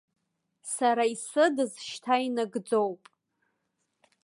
Сара исыдыз шьҭа инагӡоуп.